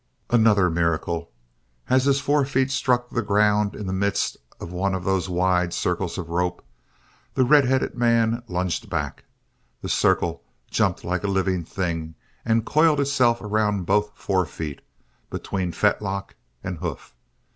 Another miracle! As his forefeet struck the ground in the midst of one of those wide circles of rope, the red headed man lunged back, the circle jumped like a living thing and coiled itself around both forefeet, between fetlock and hoof.